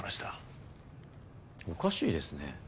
おかしいですね。